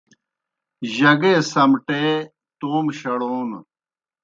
جگے سمٹے تومہ شڑون